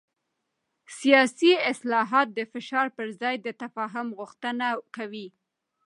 سیاسي اصلاحات د فشار پر ځای د تفاهم غوښتنه کوي